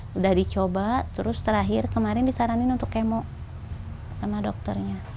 sudah dicoba terus terakhir kemarin disaranin untuk kemo sama dokternya